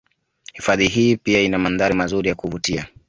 Hifadhi hii pia ina mandhari mazuri ya kuvutia